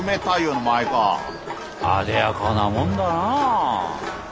あでやかなもんだなあ。